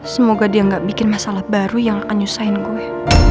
semoga dia gak bikin masalah baru yang unyusign gue